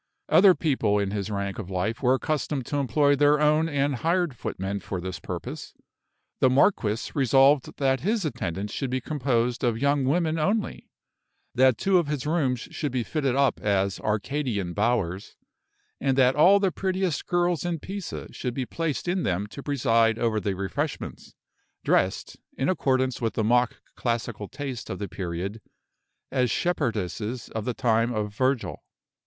Other people in his rank of life were accustomed to employ their own and hired footmen for this purpose; the marquis resolved that his attendants should be composed of young women only; that two of his rooms should be fitted up as Arcadian bowers; and that all the prettiest girls in Pisa should be placed in them to preside over the refreshments, dressed, in accordance with the mock classical taste of the period, as shepherdesses of the time of Virgil.